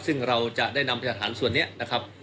ซึ่งเราจะได้นำพยาฐานส่วนนี้นะครับ